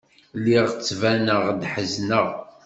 Lliɣ ttbaneɣ-d ḥezneɣ.